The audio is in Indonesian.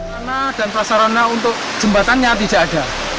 pasaran dan pasaran untuk jembatannya tidak ada